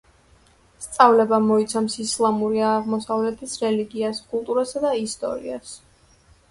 სწავლება მოიცავს ისლამური აღმოსავლეთის რელიგიას, კულტურასა და ისტორიას.